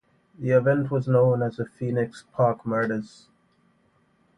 The event was known as the Phoenix Park Murders.